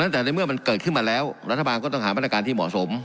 แต่ในเมื่อมันเกิดขึ้นมาแล้วรัฐบาลก็ต้องหามาตรการที่เหมาะสม